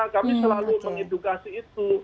kami selalu mengedukasi itu